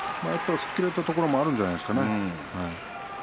吹っ切れたところもあるんじゃないですか。